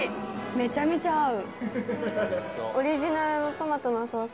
めちゃめちゃ合う。